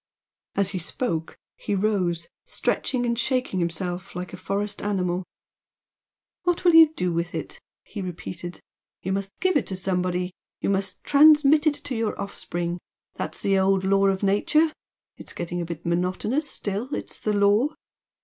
As he spoke, he rose, stretching and shaking him self like a forest animal. "What will you do with it?" he repeated "You must give it to somebody! You must transmit it to your offspring! That's the old law of nature it's getting a bit monotonous, still it's the law!